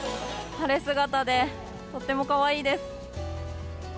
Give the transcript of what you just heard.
晴れ姿で、とてもかわいいです。